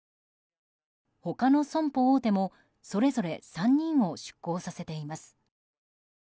他の損保大手も、それぞれ３人を出向させています。